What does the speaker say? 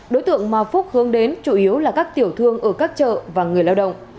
đối tượng mà phúc hướng đến chủ yếu là các tiểu thương ở các chợ và người lao động